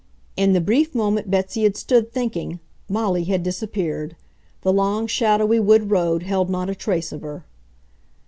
In the brief moment Betsy had stood thinking, Molly had disappeared. The long, shadowy wood road held not a trace of her.